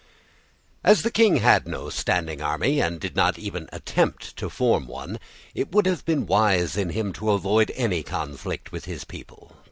As the King had no standing army, and did not even attempt to form one, it would have been wise in him to avoid any conflict with his people.